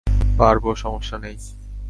পারবো, সমস্যা নেই।